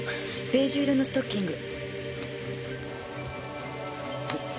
ベージュ色のストッキング。